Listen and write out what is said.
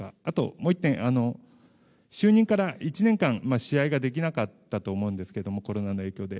もう１点、就任から１年間試合ができなかったと思うんですけれどもコロナの影響で。